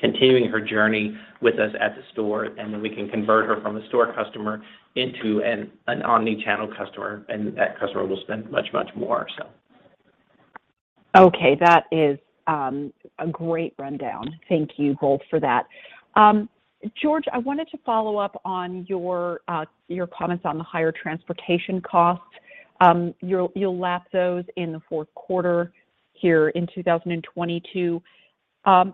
continuing her journey with us at the store, and then we can convert her from a store customer into an omnichannel customer, and that customer will spend much more so. Okay. That is a great rundown. Thank you both for that. George, I wanted to follow up on your comments on the higher transportation costs. You'll lap those in the fourth quarter here in 2022. Are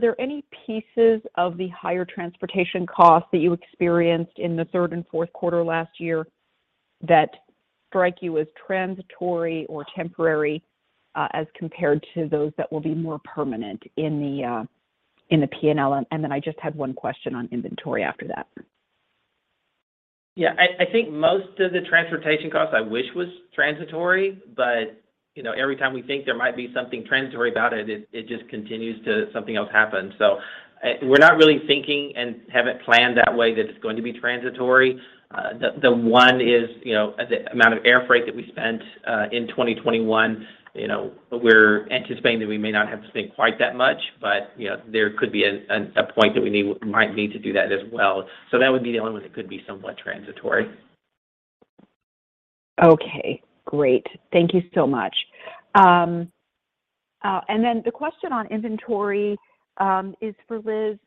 there any pieces of the higher transportation costs that you experienced in the third and fourth quarter last year that strike you as transitory or temporary as compared to those that will be more permanent in the P&L? Then I just had one question on inventory after that. Yeah. I think most of the transportation costs I wish was transitory, but you know, every time we think there might be something transitory about it just continues. Something else happens. We're not really thinking and haven't planned that way that it's going to be transitory. The one is, you know, the amount of air freight that we spent in 2021, you know, we're anticipating that we may not have to spend quite that much. But you know, there could be a point that we might need to do that as well. That would be the only one that could be somewhat transitory. Okay, great. Thank you so much. The question on inventory is for Liz.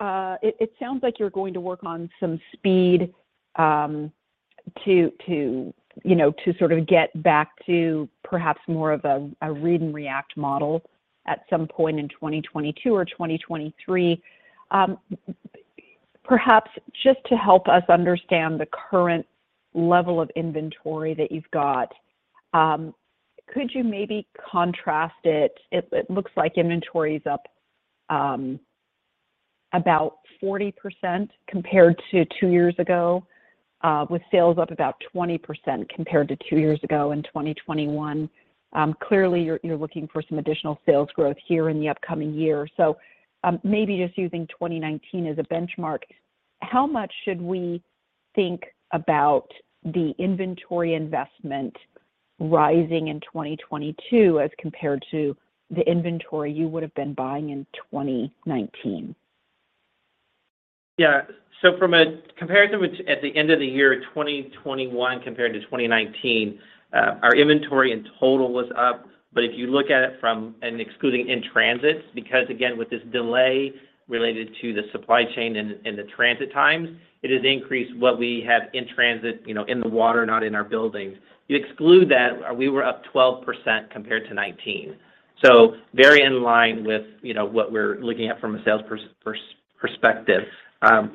It sounds like you're going to work on some speed to, you know, to sort of get back to perhaps more of a read and react model at some point in 2022 or 2023. Perhaps just to help us understand the current level of inventory that you've got, could you maybe contrast it? It looks like inventory's up about 40% compared to two years ago, with sales up about 20% compared to two years ago in 2021. Clearly, you're looking for some additional sales growth here in the upcoming year. Maybe just using 2019 as a benchmark, how much should we think about the inventory investment rising in 2022 as compared to the inventory you would've been buying in 2019? Yeah. From a comparison with at the end of the year 2021 compared to 2019, our inventory in total was up. But if you look at it from and excluding in-transits, because again, with this delay related to the supply chain and the transit times, it has increased what we have in transit, you know, in the water, not in our buildings. You exclude that, we were up 12% compared to 2019. Very in line with, you know, what we're looking at from a sales perspective.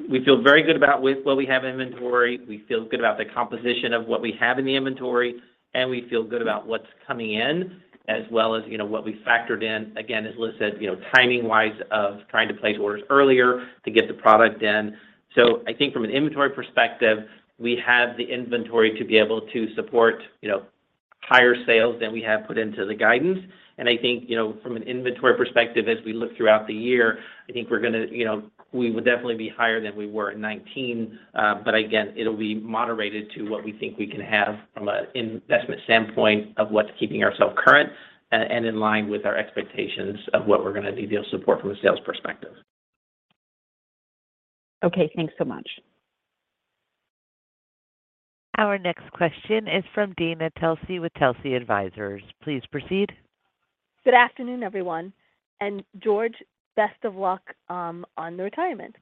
We feel very good about with what we have in inventory. We feel good about the composition of what we have in the inventory, and we feel good about what's coming in as well as, you know, what we factored in, again, as Liz said, you know, timing-wise of trying to place orders earlier to get the product in. I think from an inventory perspective, we have the inventory to be able to support, you know, higher sales than we have put into the guidance. I think, you know, from an inventory perspective, as we look throughout the year, I think you know we will definitely be higher than we were in 2019. Again, it'll be moderated to what we think we can have from an investment standpoint of what's keeping ourselves current and in line with our expectations of what we're gonna need to support from a sales perspective. Okay. Thanks so much. Our next question is from Dana Telsey with Telsey Advisors. Please proceed. Good afternoon, everyone. George, best of luck on the retirement.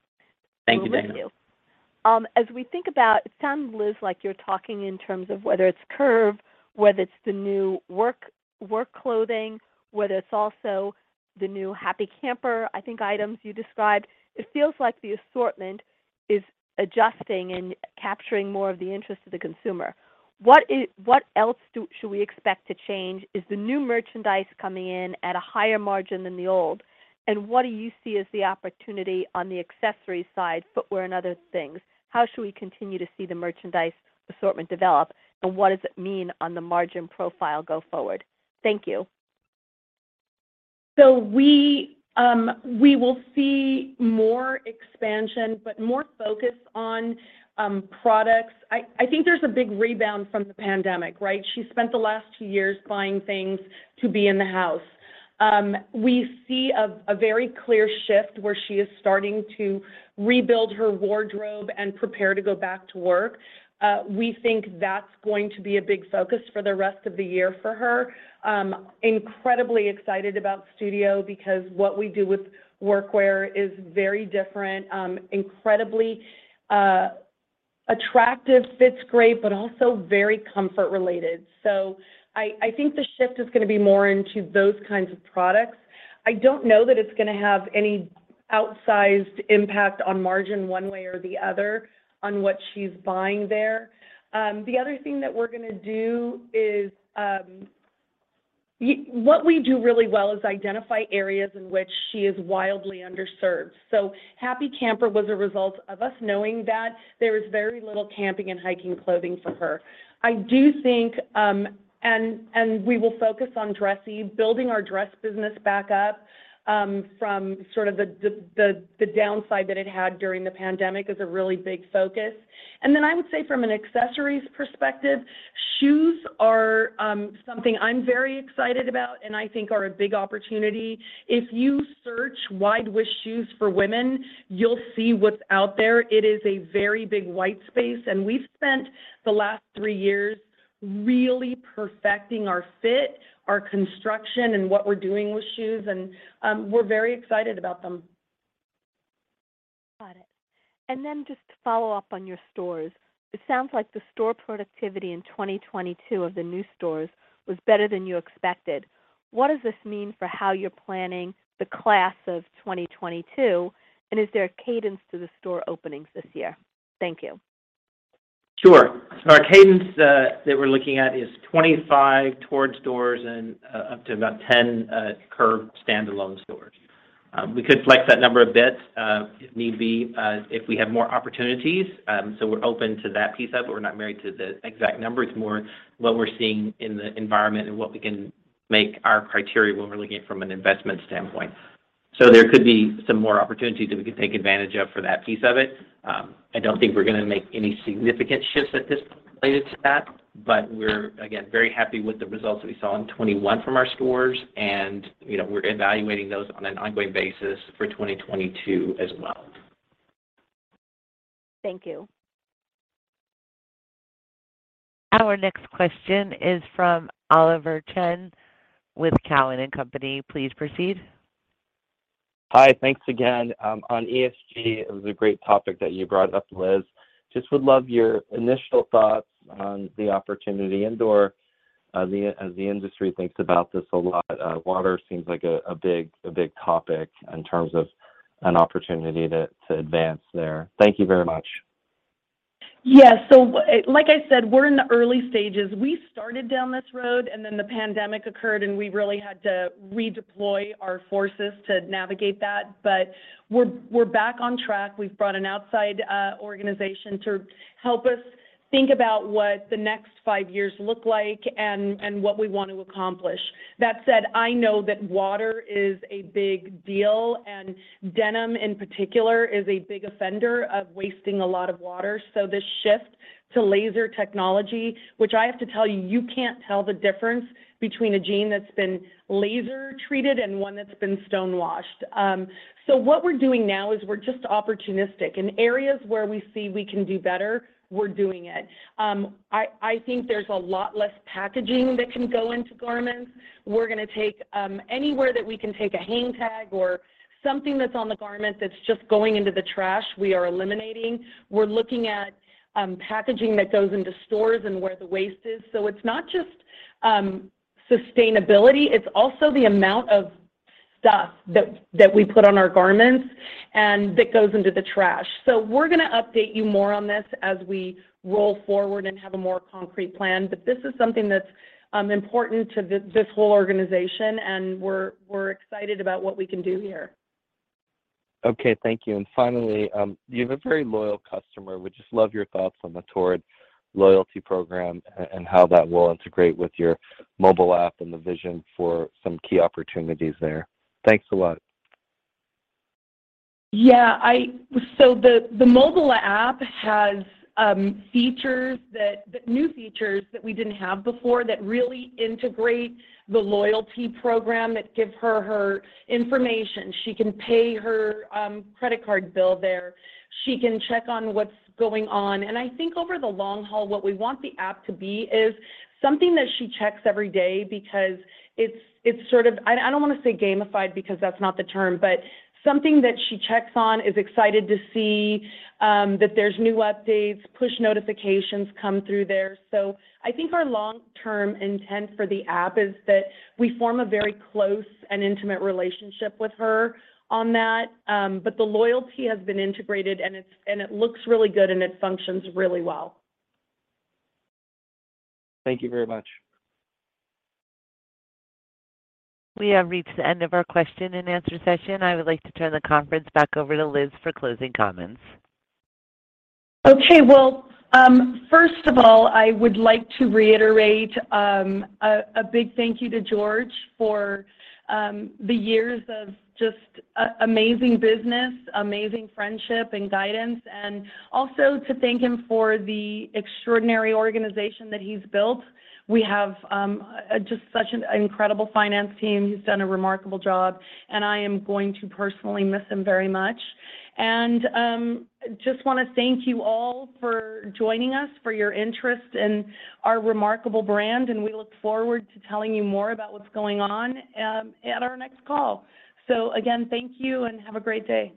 Thank you, Dana. We'll miss you. As we think about it sounded, Liz, like you're talking in terms of whether it's Curve, whether it's the new workwear clothing, whether it's also the new Happy Camper, I think, items you described. It feels like the assortment is adjusting and capturing more of the interest of the consumer. What else should we expect to change? Is the new merchandise coming in at a higher margin than the old? What do you see as the opportunity on the accessories side, footwear and other things? How should we continue to see the merchandise assortment develop, and what does it mean on the margin profile going forward? Thank you. We will see more expansion, but more focus on products. I think there's a big rebound from the pandemic, right? She spent the last two years buying things to be in the house. We see a very clear shift where she is starting to rebuild her wardrobe and prepare to go back to work. We think that's going to be a big focus for the rest of the year for her. Incredibly excited about Studio because what we do with workwear is very different. Incredibly attractive, fits great, but also very comfort-related. I think the shift is gonna be more into those kinds of products. I don't know that it's gonna have any outsized impact on margin one way or the other on what she's buying there. The other thing that we're gonna do is what we do really well is identify areas in which she is wildly underserved. Happy Camper was a result of us knowing that there is very little camping and hiking clothing for her. I do think we will focus on dressy, building our dress business back up from sort of the downside that it had during the pandemic is a really big focus. Then I would say from an accessories perspective, shoes are something I'm very excited about and I think are a big opportunity. If you search wide width shoes for women, you'll see what's out there. It is a very big white space, and we've spent the last three years really perfecting our fit, our construction, and what we're doing with shoes and we're very excited about them. Got it. Just to follow up on your stores, it sounds like the store productivity in 2022 of the new stores was better than you expected. What does this mean for how you're planning the class of 2022, and is there a cadence to the store openings this year? Thank you. Sure. Our cadence that we're looking at is 25 Torrid stores and up to about 10 Curve standalone stores. We could flex that number a bit if need be if we have more opportunities. We're open to that piece of it, but we're not married to the exact number. It's more what we're seeing in the environment and what we can make our criteria when we're looking at it from an investment standpoint. There could be some more opportunities that we could take advantage of for that piece of it. I don't think we're gonna make any significant shifts at this point related to that, but we're again very happy with the results that we saw in 2021 from our stores and you know we're evaluating those on an ongoing basis for 2022 as well. Thank you. Our next question is from Oliver Chen with Cowen and Company. Please proceed. Hi. Thanks again. On ESG, it was a great topic that you brought up, Liz. Just would love your initial thoughts on the opportunity and/or the, as the industry thinks about this a lot, water seems like a big topic in terms of an opportunity to advance there. Thank you very much. Yeah. Like I said, we're in the early stages. We started down this road, and then the pandemic occurred, and we really had to redeploy our forces to navigate that. We're back on track. We've brought an outside organization to help us think about what the next five years look like and what we want to accomplish. That said, I know that water is a big deal, and denim in particular is a big offender of wasting a lot of water. This shift to laser technology, which I have to tell you can't tell the difference between a jean that's been laser-treated and one that's been stonewashed. What we're doing now is we're just opportunistic. In areas where we see we can do better, we're doing it. I think there's a lot less packaging that can go into garments. Anywhere that we can take a hang tag or something that's on the garment that's just going into the trash, we are eliminating. We're looking at packaging that goes into stores and where the waste is. It's not just sustainability, it's also the amount of stuff that we put on our garments, and that goes into the trash. We're gonna update you more on this as we roll forward and have a more concrete plan. This is something that's important to this whole organization, and we're excited about what we can do here. Okay. Thank you. Finally, you have a very loyal customer. I would just love your thoughts on the Torrid loyalty program and how that will integrate with your mobile app and the vision for some key opportunities there. Thanks a lot. Yeah. The mobile app has new features that we didn't have before that really integrate the loyalty program, that give her information. She can pay her credit card bill there. She can check on what's going on. I think over the long haul, what we want the app to be is something that she checks every day because it's sort of, I don't wanna say gamified because that's not the term, but something that she checks on, is excited to see, that there's new updates, push notifications come through there. I think our long-term intent for the app is that we form a very close and intimate relationship with her on that. The loyalty has been integrated, and it looks really good, and it functions really well. Thank you very much. We have reached the end of our question-and-answer session. I would like to turn the conference back over to Liz for closing comments. Okay. Well, first of all, I would like to reiterate a big thank you to George for the years of just amazing business, amazing friendship, and guidance, and also to thank him for the extraordinary organization that he's built. We have just such an incredible finance team. He's done a remarkable job, and I am going to personally miss him very much. Just wanna thank you all for joining us, for your interest in our remarkable brand, and we look forward to telling you more about what's going on at our next call. Again, thank you, and have a great day.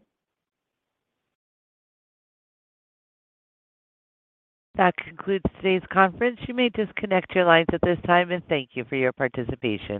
That concludes today's conference. You may disconnect your lines at this time, and thank you for your participation.